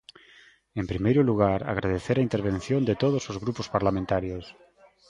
En primeiro lugar, agradecer a intervención de todos os grupos parlamentarios.